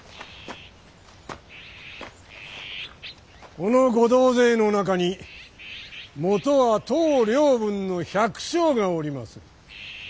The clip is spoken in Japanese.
このご同勢の中にもとは当領分の百姓がおりまする。